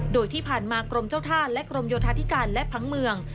โดยที่ผ่านมากรมเจ้าท่าและกรมโยธาธิการและผังเมือง